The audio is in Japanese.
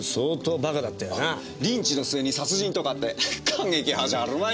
リンチの末に殺人とかって過激派じゃあるまいし。